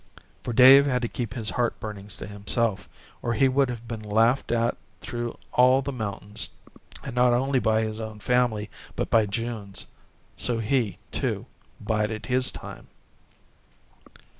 For Dave had to keep his heart burnings to himself or he would have been laughed at through all the mountains, and not only by his own family, but by June's; so he, too, bided his time.